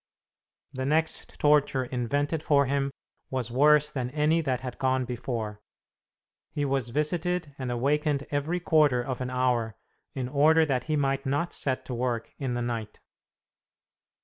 The next torture invented for him was worse than any that had gone before. He was visited and awakened every quarter of an hour, in order that he might not set to work in the night.